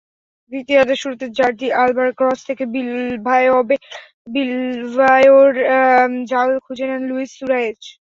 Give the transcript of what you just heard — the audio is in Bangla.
দ্বিতীয়ার্ধের শুরুতে জর্দি আলবার ক্রস থেকে বিলবাওয়ের জাল খুঁজে নেন লুইস সুয়ারেজ।